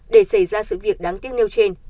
để xảy ra sự việc đáng tiếc nêu trên